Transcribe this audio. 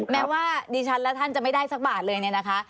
แม้ว่าดิฉันและท่านจะไม่ได้สักบาทเลยเนี่ยนะคะ